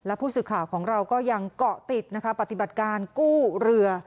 ผู้สื่อข่าวของเราก็ยังเกาะติดนะคะปฏิบัติการกู้เรือ